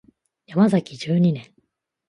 ヤマザキ十二年